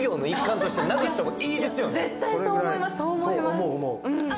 思う思う。